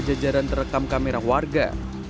jajaran terekam kamera warga